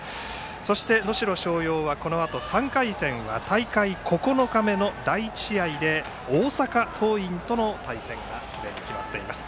そして、能代松陽はこのあと３回戦は大会９日目の第１試合で大阪桐蔭との対戦がすでに決まっています。